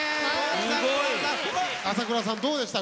麻倉さんどうでした？